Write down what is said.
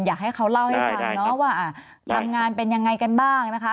อยากให้เขาเล่าให้ฟังเนาะว่าทำงานเป็นยังไงกันบ้างนะคะ